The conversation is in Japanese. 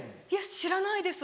知らないです。